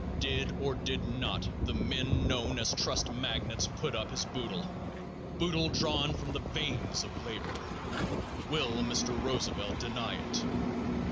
Did, or did not, the men known as trust magnates put up this boodle? Boodle drawn from the veins of labor? Will Mr. Roosevelt deny it?